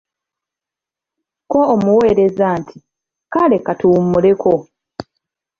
Ko omuweereza nti:"kale katuwummuleko"